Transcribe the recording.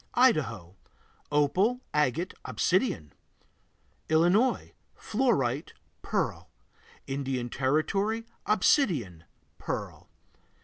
Idaho Opal, agate, obsidian. Illinois Fluorite, pearl. Indian Territory Obsidian, pearl.